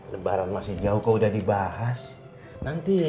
lebaran masih jauh kok udah dibahas nanti